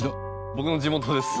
僕の地元です。